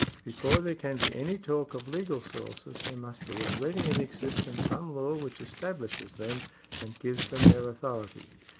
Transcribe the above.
Before there can be any talk of legal sources, there must be already in existence some law which establishes them and gives them their authority.